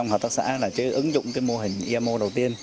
hợp tác xã là chứ ứng dụng cái mô hình imo đầu tiên